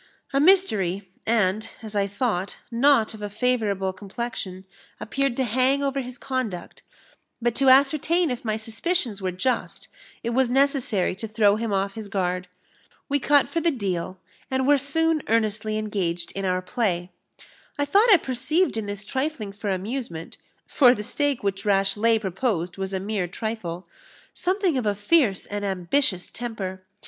A mystery, and, as I thought, not of a favourable complexion, appeared to hang over his conduct; but to ascertain if my suspicions were just, it was necessary to throw him off his guard. We cut for the deal, and were soon earnestly engaged in our play. I thought I perceived in this trifling for amusement (for the stake which Rashleigh proposed was a mere trifle) something of a fierce and ambitious temper.